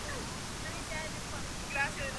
En prensa escrita son innumerables sus colaboraciones.